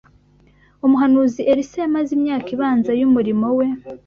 Umuhanuzi Elisa yamaze imyaka ibanza y’umirimo we